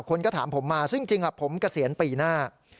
คนก็ถามผมมาซึ่งจริงผมเกษียณปีหน้า